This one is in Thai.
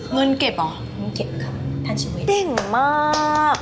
เงินเก็บเหรอค่ะท่านชีวิตนี่เก่งมาก